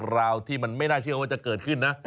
ราวที่มันไม่น่าเชื่อว่าจะเกิดขึ้นนะ